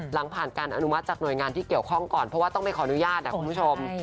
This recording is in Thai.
หลังผ่านการอนุมัติจากหน่วยงานที่เกี่ยวข้องก่อนเพราะว่าต้องไปขออนุญาตคุณผู้ชม